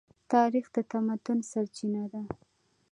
تاریخ د تمدن سرچینه ده.